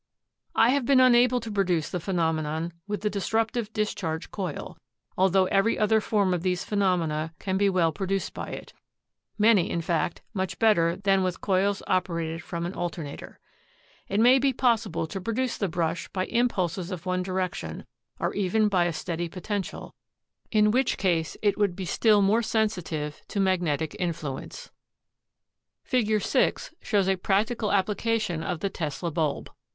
"I have been unable to produce the phen omenon with the disruptive discharge coil, altho every other form of these phenomena can be well produced by it — many, in fact, much better than with coils operated from an alternator. "It may be possible to produce the brush by impulses of one direction, or even by a steady potential, in which case it would be still more sensitive to magnetic influence." Fig. 6 shows a practical application of the Tesla bulb.